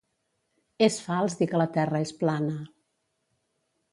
És fals dir que la terra és plana.